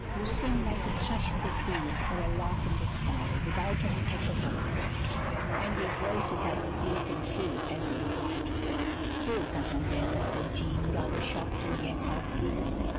you sing like a thrush in the fields or a lark in the sky — ^without an effort or a thought. And your voice is as sweet and true as — ^your heart. " "Oh, Cousin Denis!" said Jeanne, rather shocked, and yet half pleased.